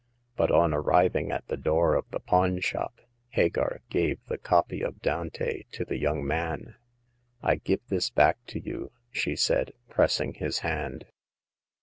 But on arriving at the door of the pawn shop Hagar gave the copy of Dante to the young man. " I give this back to you," she said, pressing his hand.